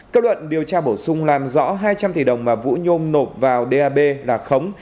kết luận điều tra bổ sung làm rõ hai trăm linh tỷ đồng mà vũ nhôm nộp vào dap là khống